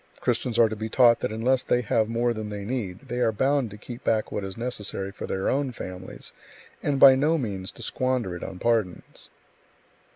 Christians are to be taught that unless they have more than they need, they are bound to keep back what is necessary for their own families, and by no means to squander it on pardons.